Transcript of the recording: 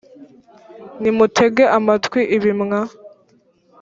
nimutege amatwi ibi mwa